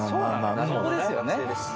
そこですよね。